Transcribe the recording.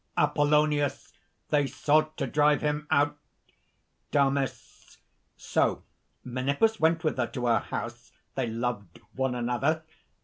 APOLLONIUS. "They sought to drive him out." DAMIS. "So Menippus went with her to her house; they loved one another."